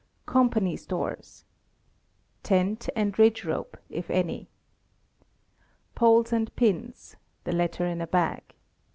COMPANY STORES. Tent, and ridge rope, if any. *Poles and pins (the latter in a bag).